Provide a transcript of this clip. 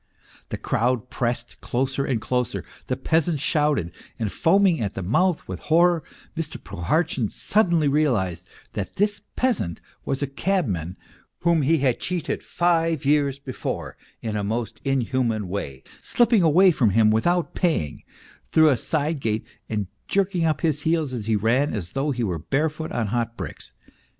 The crowd pressed closer and closer, the peasant shouted, and foaming at the mouth with horror, Mr. Prohartchin suddenly realized that this peasant was a cabman whom he had cheated five years before in the most inhuman way, slipping away from him without paying through a side gate and jerking up his heels as he ran as though he were barefoot on hot bricks.